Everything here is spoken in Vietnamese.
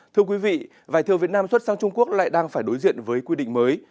thưa quý vị vài thưa việt nam xuất sang trung quốc lại đang phải đối diện với quy định mới